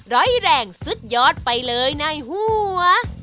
ร้อยแรงสุดยอดไปเลยในหัว